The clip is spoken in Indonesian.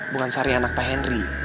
bukan sari anak pak hendrik